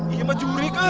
ini mah jurik eh